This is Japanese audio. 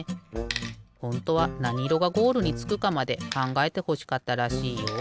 ほんとはなにいろがゴールにつくかまでかんがえてほしかったらしいよ。